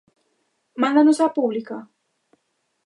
Mándanos á publica?